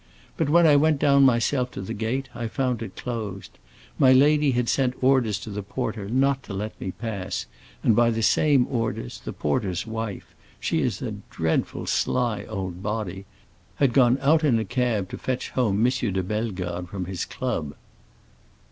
But when I went down myself to the gate I found it closed. My lady had sent orders to the porter not to let me pass, and by the same orders the porter's wife—she is a dreadful sly old body—had gone out in a cab to fetch home M. de Bellegarde from his club."